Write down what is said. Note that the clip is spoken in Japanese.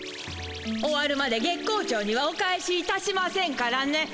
終わるまで月光町にはお帰しいたしませんからね。